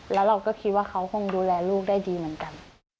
แล้วเราก็คิดว่าเขาคงดูแลลูกได้ดีเหมือนกัน